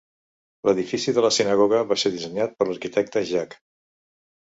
L'edifici de la sinagoga, va ser dissenyat per l'arquitecte Jac.